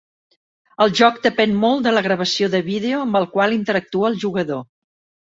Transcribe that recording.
El joc depèn molt de la gravació de vídeo, amb el qual interactua el jugador.